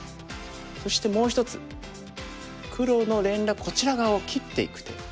そしてもう１つ黒の連絡こちら側を切っていく手。